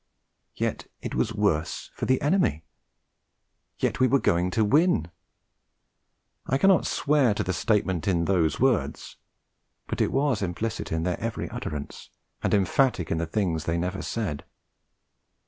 Yet it was worse for the enemy! Yet we were going to win! I cannot swear to the statement in those words, but it was implicit in their every utterance, and emphatic in the things they never said.